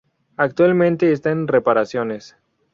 Actualmente está en reparaciones.